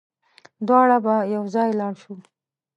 دواړه به يوځای لاړ شو